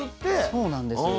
そうなんですよ。